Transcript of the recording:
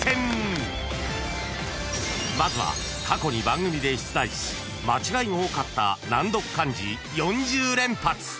［まずは過去に番組で出題し間違いの多かった難読漢字４０連発］